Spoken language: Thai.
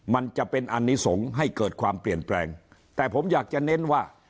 มันจะเป็นอันนี้ส่งให้เกิดความเปลี่ยนแปลงแต่ผมอยากจะเน้นว่า